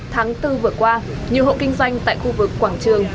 tháng bốn vừa qua nhiều hộ kinh doanh tại khu vực quảng trường